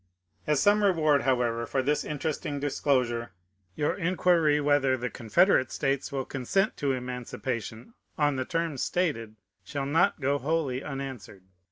As some reward, however, for this interesting disclosure, your inquiry whether the Confederate States will consent to emancipation, on the terms stated, shaU not go wholly un answered.